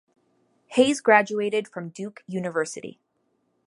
Hayes graduated from Duke University.